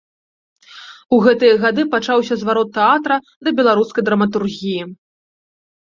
У гэтыя гады пачаўся зварот тэатра да беларускай драматургіі.